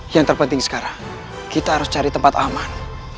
yang terpenting sekarang kita harus cari tempat aman